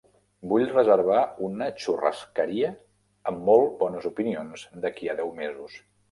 Vull reservar una "churrascaria" amb molt bones opinions d'aquí a de deu mesos.